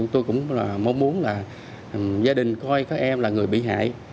tôi cũng mong muốn là gia đình coi các em là người bị hại